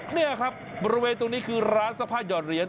นี่ครับบริเวณตรงนี้คือร้านซักผ้าหยอดเหรียญ